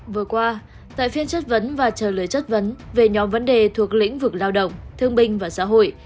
vừa qua tại phiên chất vấn và trả lời chất vấn về nhóm vấn đề thuộc lĩnh vực lao động thương binh và xã hội